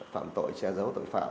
phạm tội che giấu tội phạm